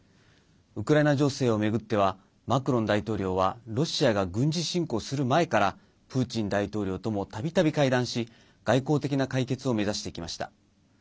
ウクライナ情勢を巡ってはマクロン大統領はロシアが軍事侵攻する前からプーチン大統領ともたびたび会談し、外交的な解決を目指してきました。